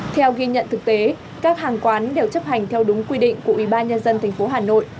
theo ghi nhận thực tế các hàng quán đều chấp hành theo đúng quy định của ủy ban nhân dân tp hà nội